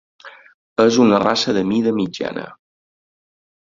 És una raça de mida mitjana.